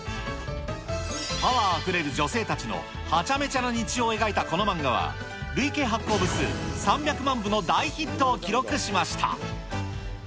パワーあふれる女性たちのはちゃめちゃな日常を描いたこの漫画は、累計発行部数３００万部の大ヒットを記録しました。